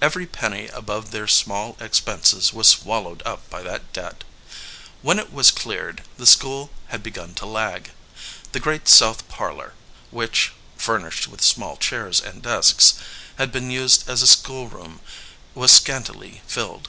Every penny above their small ex penses was swallowed up by that debt. When it was cleared, the school had begun to lag. The great south parlor, which (furnished with small chairs and desks) had been used as a school room, was scantily filled.